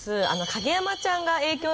影山ちゃんが？